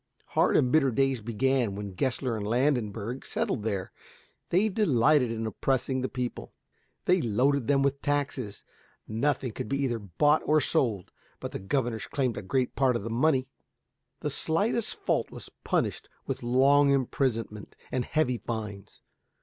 Hard and bitter days began when Gessler and Landenberg settled there. They delighted in oppressing the people. They loaded them with taxes; nothing could be either bought or sold but the governors claimed a great part of the money; the slightest fault was punished with long imprisonment and heavy fines.